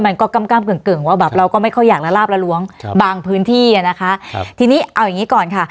มันก็กล้ำกล้ำเกลืองเกลืองว่าแบบเราก็ไม่ค่อยอยากระลาบระลวงบางพื้นที่นะคะทีนี้เอาอย่างนี้ก่อนค่ะ